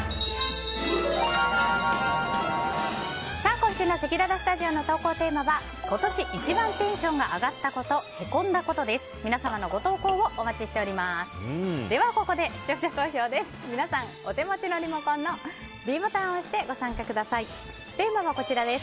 今週のせきららスタジオの投稿テーマは今年一番テンションが上がったこと＆へこんだことです。